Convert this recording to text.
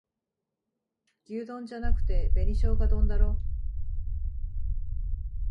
牛丼じゃなくて紅しょうが丼だろ